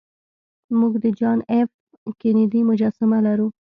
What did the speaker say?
موږ د جان ایف کینیډي مجسمه لرو